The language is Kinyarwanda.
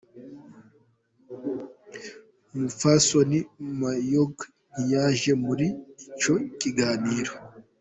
Umupfasoni Mayorga ntiyaje muri ico kiganiro.